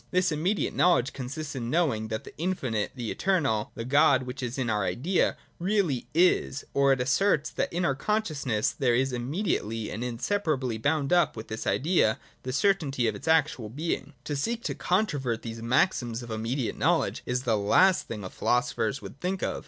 64.J This immediate knowledge consists in knowing that the Infinite, the Eternal, the God which is in our idea, really is : or, it asserts that in our conscious ness there is immediately and inseparably bound up with this idea the certainty of its actual being. To seek to controvert these maxims of immediate knowledge is the last thing philosophers would think of.